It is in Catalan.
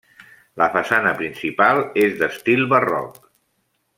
La façana principal és d'estil barroc.